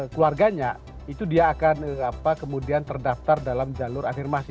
keluarganya itu dia akan kemudian terdaftar dalam jalur afirmasi